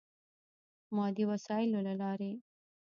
مادي وسایلو له لارې.